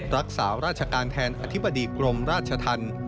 รักษาราชการแทนอธิบดีกรมราชธรรม